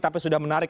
tapi sudah menarik